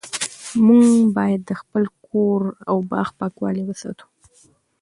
موږ باید د خپل کور او باغ پاکوالی وساتو